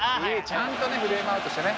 ちゃんとねフレームアウトしてね。